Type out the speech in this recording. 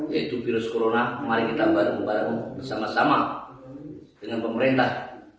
yaitu virus corona mari kita bareng bareng bersama sama dengan pemerintah